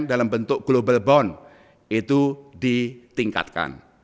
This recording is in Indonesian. dalam bentuk global bond itu ditingkatkan